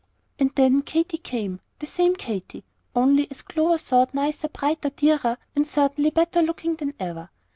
And then Katy came, the same Katy, only, as Clover thought, nicer, brighter, dearer, and certainly better looking than ever.